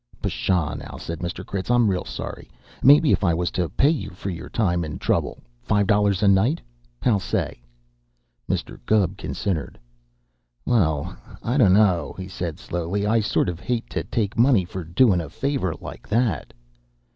"Pshaw, now!" said Mr. Critz. "I'm real sorry! Maybe if I was to pay you for your time and trouble five dollars a night? How say?" Mr. Gubb considered. "Well, I dunno!" he said slowly. "I sort of hate to take money for doin' a favor like that."